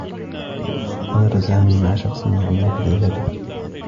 غادر سامي مع شخص يعمل في العيادة.